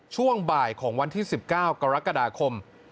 ช่วงบ่ายของวันที่๑๙กรกฎาคม